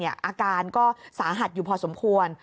อาการก็สาหัสอยู่พอสมควร